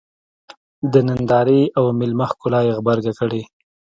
د نندارې او مېلمه ښکلا یې غبرګه کړې.